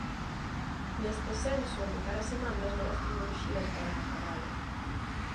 Neste senso, botarase man das novas tecnoloxías para acadalo.